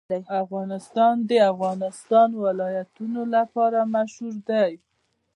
افغانستان د د افغانستان ولايتونه لپاره مشهور دی.